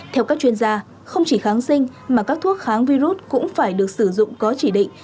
theo các chuyên gia không chỉ kháng sinh mà các thuốc kháng virus cũng phải được sử dụng có chỉ định